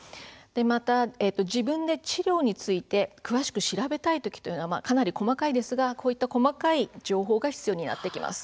また、自分で治療について詳しく調べたい時というのはかなり細かいですがこういった細かい情報が必要になってきます。